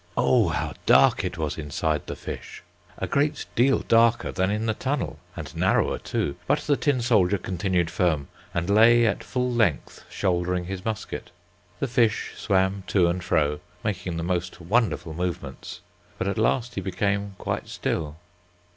Oh how dark it was inside the fish! A great deal darker than in the tunnel, and narrower too, but the tin soldier continued firm, and lay at full length shouldering his musket. The fish swam to and fro, making the most wonderful movements, but at last he became quite still.